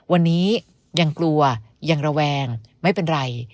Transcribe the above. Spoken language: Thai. วันนี้ยังกลัวยังระแวงไม่เป็นไร